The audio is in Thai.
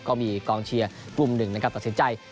ก็มีกองเฉียร์วมหนึ่งตัวเซ็นใจ